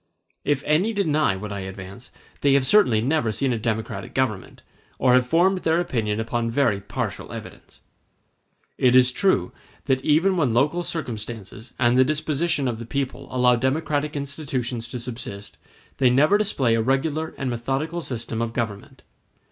If any deny what I advance, they have certainly never seen a democratic government, or have formed their opinion upon very partial evidence. It is true that even when local circumstances and the disposition of the people allow democratic institutions to subsist, they never display a regular and methodical system of government.